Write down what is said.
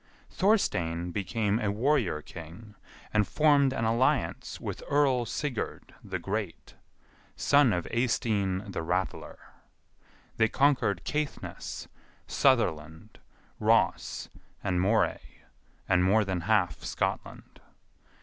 Thorstein became a warrior king, and formed an alliance with Earl Sigurd the Great, son of Eystein the Rattler. They conquered Caithness, Sutherland, Ross, and Moray, and more than half Scotland.